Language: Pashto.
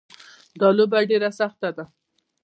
دا لوبه ډېره سخته ده